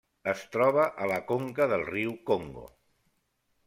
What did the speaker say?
Es troba a la conca del riu Congo.